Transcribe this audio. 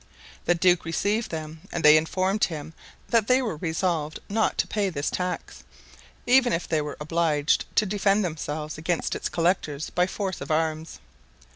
The duke received them and they informed him that they were resolved not to pay this tax, even if they were obliged to defend themselves against its collectors by force of arms.